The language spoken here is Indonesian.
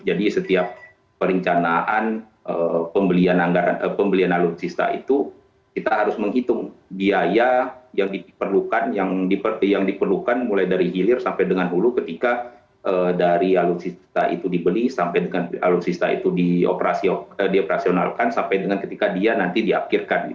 jadi setiap perencanaan pembelian alutsista itu kita harus menghitung biaya yang diperlukan mulai dari hilir sampai dengan hulu ketika dari alutsista itu dibeli sampai dengan alutsista itu dioperasionalkan sampai dengan ketika dia nanti diakhirkan